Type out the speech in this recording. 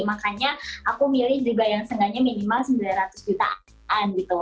makanya aku milih juga yang seengganya minimal sembilan ratus jutaan gitu